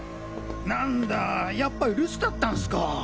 なんだやっぱ留守だったんスか。